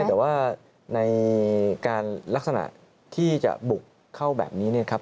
แต่ว่าในการลักษณะที่จะบุกเข้าแบบนี้เนี่ยครับ